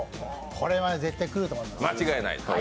これは絶対くると思います。